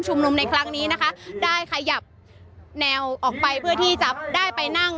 นุมในครั้งนี้นะคะได้ขยับแนวออกไปเพื่อที่จะได้ไปนั่ง